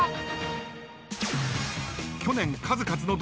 ［去年数々の］